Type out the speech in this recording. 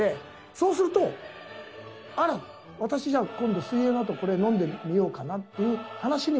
そうすると「あら。私じゃあ今度水泳のあとこれ飲んでみようかな」っていう話にもなるわけですよ。